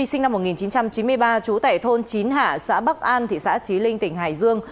sinh năm một nghìn chín trăm chín mươi ba trú tại thôn chín hạ xã bắc an thị xã trí linh tỉnh hải dương